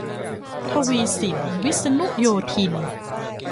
ทวีศิลป์ วิษณุโยธิน